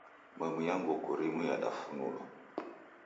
Memu ya nguku rimu yadufunulwa .